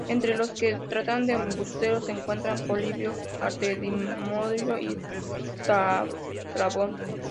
Entre los que lo trataron de embustero se encuentran Polibio, Artemidoro y Estrabón.